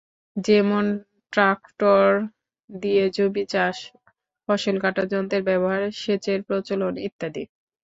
যেমন— ট্রাক্টর দিয়ে জমি চাষ, ফসল কাটার যন্ত্রের ব্যবহার, সেচের প্রচলন ইত্যাদি।